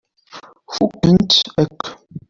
Fukken-tent akk.